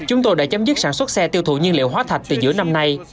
chúng tôi đã chấm dứt sản xuất xe tiêu thụ nhiên liệu hóa thạch từ giữa năm nay